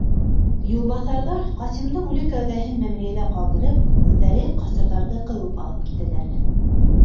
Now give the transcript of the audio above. Юлбаҫарҙар, Ҡасимдың үле күҙәһен мәмерйәлә ҡалдырып, үҙҙәре ҡасырҙарҙы ҡыуып алып китәләр.